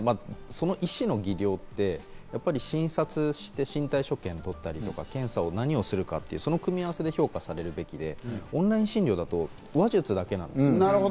その医師の技量って、やっぱり診察して身体所見を取ったり何をするかという組み合わせで評価されるべきで、オンライン診療だと話術だけ。